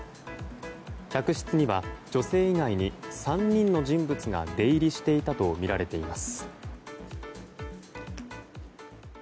客室には女性以外に３人の人物が出入りしていたとみられています。